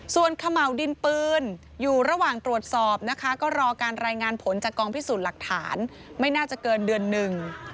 ส่วนเขม่าวดินปืนอยู่ระหว่างตรวจสอบนะคะก็รอการรายงานผลจากกองพิสูจน์หลักฐานไม่น่าจะเกินเดือนหนึ่ง